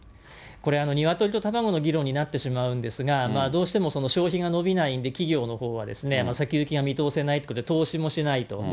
これ、ニワトリと卵の議論になってしまうんですが、どうしても消費が伸びないんで、企業のほうはですね、先行きが見通せないということで、投資もしないと。